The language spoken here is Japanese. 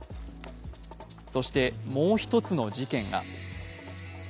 そして、もう一つの事件が。